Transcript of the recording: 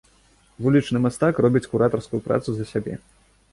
Вулічны мастак робіць куратарскую працу за сябе.